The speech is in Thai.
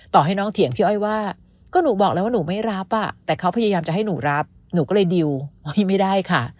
ให้น้องเถียงพี่อ้อยว่าก็หนูบอกแล้วว่าหนูไม่รับอ่ะแต่เขาพยายามจะให้หนูรับหนูก็เลยดิวอุ้ยไม่ได้ค่ะ